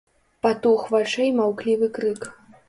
Патух вачэй маўклівы крык.